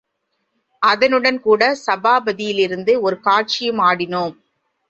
அதனுடன்கூட சபாபதி யிலிருந்து ஒரு காட்சியும் ஆடினோம்.